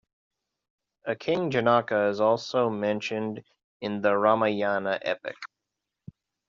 A King Janaka is also mentioned in the Ramayana epic.